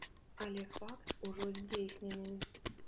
Але факт ужо здзейснены.